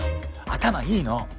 頭いいの！